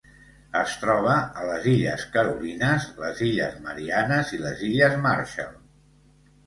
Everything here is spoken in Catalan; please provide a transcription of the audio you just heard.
Es troba a les Illes Carolines, les Illes Mariannes i les Illes Marshall.